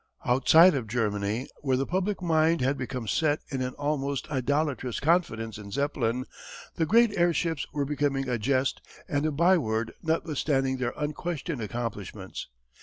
Outside of Germany, where the public mind had become set in an almost idolatrous confidence in Zeppelin, the great airships were becoming a jest and a byword notwithstanding their unquestioned accomplishments.